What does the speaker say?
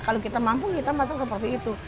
kalau kita mampu kita masak seperti itu